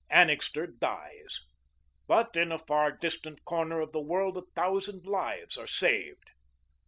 Annixter dies, but in a far distant corner of the world a thousand lives are saved.